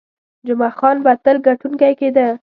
جمعه خان به تل ګټونکی کېده.